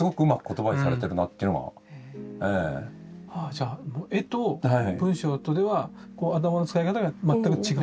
じゃあ絵と文章とでは頭の使い方が全く違う。